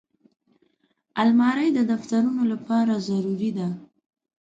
الماري د دفترونو لپاره ضروري ده